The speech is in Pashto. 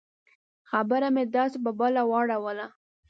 خبره مې داسې په بله واړوله.